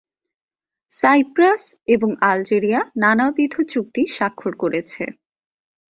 Cypress এবং Algeria নানাবিধ চুক্তি স্বাক্ষর করেছে।